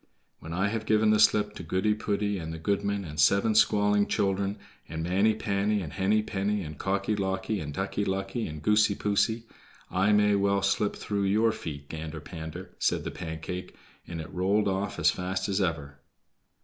"When I have given the slip to Goody poody, and the goodman, and seven squalling children, and Manny panny, and Henny penny, and Cocky locky, and Ducky lucky, and Goosey poosey, I may well slip through your feet, Gander pander," said the Pancake, and it rolled off as fast as ever.